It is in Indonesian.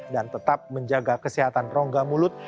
dan tetap menjaga kesehatan rongga mulut